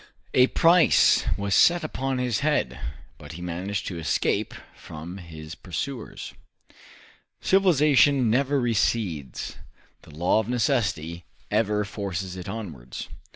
A price was set upon his head, but he managed to escape from his pursuers. Civilization never recedes; the law of necessity ever forces it onwards.